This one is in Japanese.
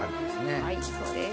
はいそうです。